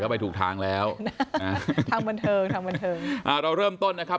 ไปถูกทางแล้วทางบันเทิงทางบันเทิงอ่าเราเริ่มต้นนะครับ